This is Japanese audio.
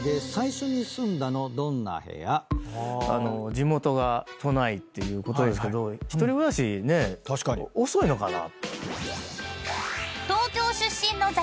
地元が都内っていうことですけど１人暮らしね遅いのかな？